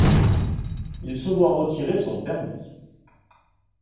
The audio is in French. Il se voit retirer son permis.